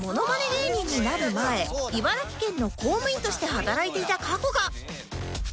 芸人になる前茨城県の公務員として働いていた過去が